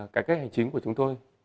cải cách hành chính của chúng tôi